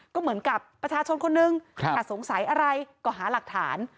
ก็เหมือนกับประชาชนคนนึงถ้าสงสัยอะไรก็หาหลักฐาน